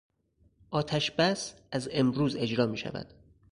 آتش بس از امروز اجرا میشود.